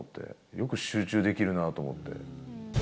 よく集中できるなと思って。